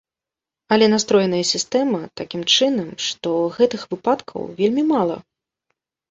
Але настроеная сістэма такім чынам, што гэтых выпадкаў вельмі мала.